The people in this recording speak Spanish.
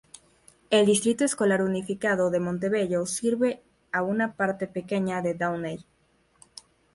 El Distrito Escolar Unificado de Montebello sirve a una parte pequeña de Downey.